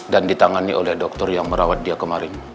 dan ditangani oleh dokter yang merawat dia kemarin